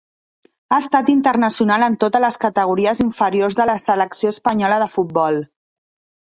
Ha estat internacional en totes les categories inferiors de la selecció espanyola de futbol.